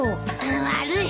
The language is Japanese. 悪い。